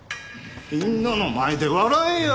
みんなの前で笑えよ！